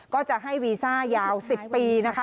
ก็จะให้วีซ่ายาว๑๐ปีนะคะ